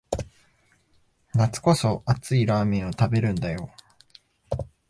夏こそ熱いラーメンを食べるんだよ